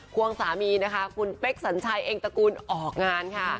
ควงสามีคุณเป็๊กสัญชัยเอ็งตระกูลออกงาน